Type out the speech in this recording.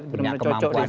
benar benar cocok di situ